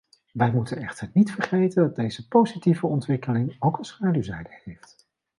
Wij moeten echter niet vergeten dat deze positieve ontwikkeling ook een schaduwzijde heeft.